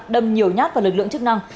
đâm nhiều nhát vào lực lượng chức năng